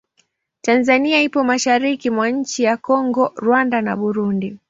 Tanzania ipo mashariki mwa nchi za Kongo, Rwanda na Burundi.